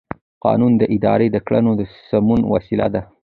قانون د ادارې د کړنو د سمون وسیله ده.